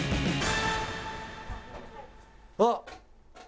あっ！